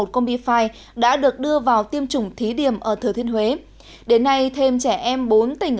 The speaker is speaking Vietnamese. combi fi đã được đưa vào tiêm chủng thí điểm ở thừa thiên huế đến nay thêm trẻ em bốn tỉnh